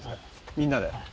みんなで。